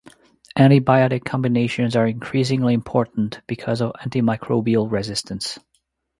Antibiotic combinations are increasingly important because of antimicrobial resistance.